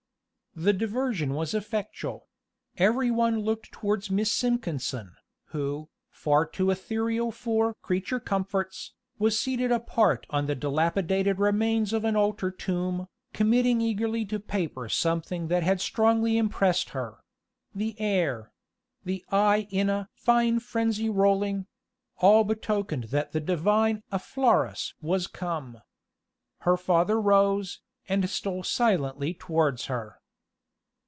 The diversion was effectual; every one looked towards Miss Simpkinson, who, far too ethereal for "creature comforts," was seated apart on the dilapidated remains of an altar tomb, committing eagerly to paper something that had strongly impressed her; the air the eye in a "fine frenzy rolling" all betokened that the divine afflarus was come. Her father rose, and stole silently towards her.